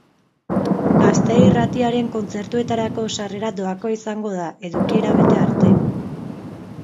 Gaztea irratiaren kontzertuetarako sarrera doakoa izango da, edukiera bete arte.